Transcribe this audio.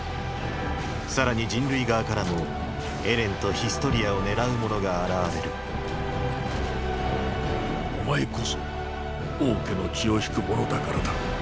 さらに人類側からもエレンとヒストリアを狙う者が現れるお前こそ王家の血を引く者だからだ。